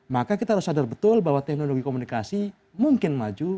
maka kita harus sadar betul bahwa teknologi komunikasi mungkin maju